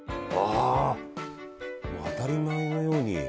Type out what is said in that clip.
ああ当たり前のように。